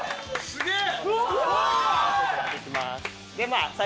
すげえ！